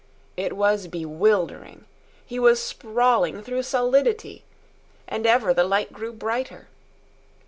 It was bewildering. He was sprawling through solidity. And ever the light grew brighter.